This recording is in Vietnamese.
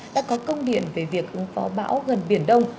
đã có công điện về việc ứng phó bão gần biển đông